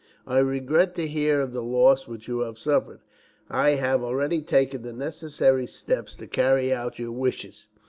I regret to hear of the loss which you have suffered. I have already taken the necessary steps to carry out your wishes.